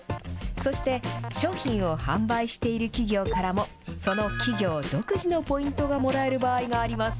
そして商品を販売している企業からも、その企業独自のポイントがもらえる場合があります。